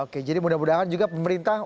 oke jadi mudah mudahan juga pemerintah